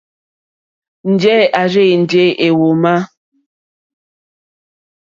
Njɛ̂ à rzênjé èhwùmá.